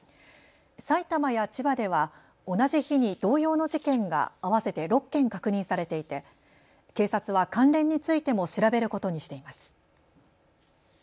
埼玉や千葉では同じ日に同様の事件が合わせて６件確認されていて警察は関連についても調べることにしています。